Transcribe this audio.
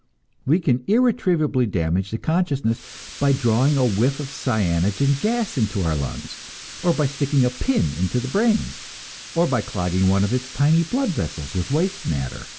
We can irretrievably damage the consciousness by drawing a whiff of cyanogen gas into the lungs, or by sticking a pin into the brain, or by clogging one of its tiny blood vessels with waste matter.